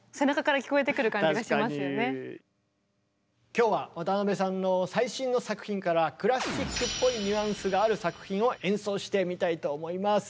今日は渡辺さんの最新の作品からクラシックっぽいニュアンスがある作品を演奏してみたいと思います。